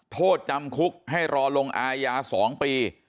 โทษจำคุกให้รอลงอาญา๒ปี